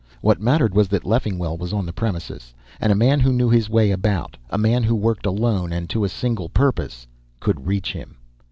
What mattered was that Leffingwell was on the premises. And a man who knew his way about, a man who worked alone and to a single purpose, could reach him.